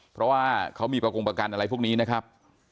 เพราะว่าเขามีประกงประกันอะไรพวกนี้นะครับ